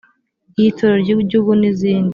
iy’itorero ry’igihugu n’izindi.